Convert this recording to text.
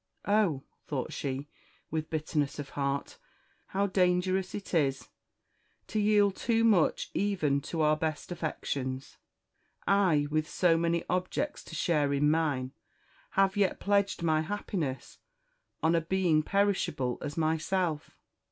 "Oh!" thought she, with bitterness of heart, "how dangerous it is to yield too much even to our best affections. I, with so many objects to share in mine, have yet pledged my happiness on a being perishable as myself!"